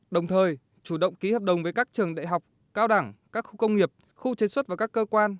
đồng thời chủ động ký hợp đồng với các trường đại học cao đẳng các khu công nghiệp khu chế xuất và các cơ quan